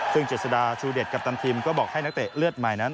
ซึ่งเจษฎาชูเด็ดกัปตันทีมก็บอกให้นักเตะเลือดใหม่นั้น